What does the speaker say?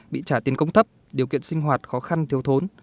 bị trả tiền công thấp điều kiện sinh hoạt khó khăn thiếu thốn